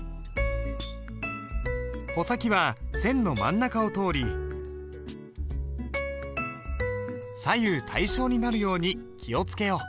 穂先は線の真ん中を通り左右対称になるように気を付けよう。